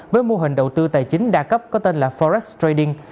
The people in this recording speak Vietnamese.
với mô hình đầu tư tài chính đa cấp có tên là forex trading